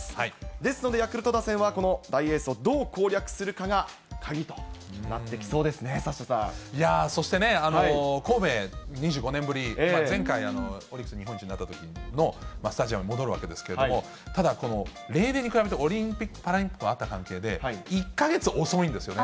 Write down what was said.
ですので、ヤクルト打線は大エースをどう攻略するかが鍵となってそしてね、神戸、２５年ぶり、前回、オリックス日本一になったときのスタジアムに戻るわけですけども、ただこの例年に比べて、オリンピック・パラリンピックもあった関係で、１か月遅いんですよね。